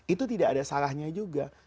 itu tidak ada salahnya juga